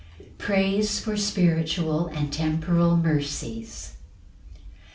Praise for spiritual and temporal mercies.